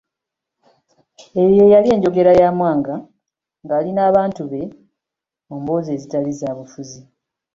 Eyo ye yali enjogera ya Mwanga ng'ali n'abantu be mu mboozi ezitali za bufuzi.